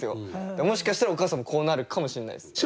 もしかしたらお母さんもこうなるかもしれないですね。